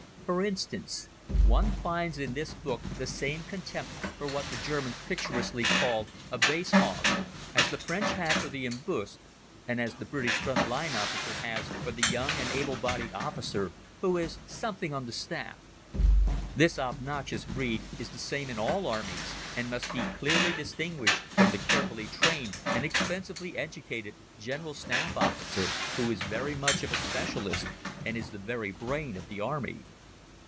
For instance, one finds in this book the same contempt for what the Germans picturesquely call a "base hog," as the French have for the "embusqué" and as the British front line officer has for the young and able bodied officer who is "Something on the Staff." This obnoxious breed is the same in all armies, and must be clearly distinguished from the carefully trained and expensively educated General Staff Officer, who is very much of a specialist and is the very brain of the Army.